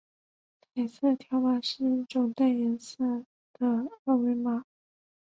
彩色条码是一种带颜色的二维条码。